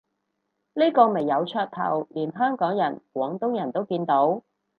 呢個咪有噱頭，連香港人廣東人都見到